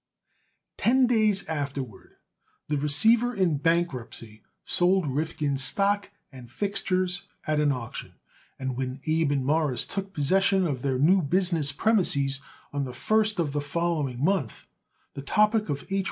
Ten days afterward the receiver in bankruptcy sold Rifkin's stock and fixtures at auction, and when Abe and Morris took possession of their new business premises on the first of the following month the topic of H.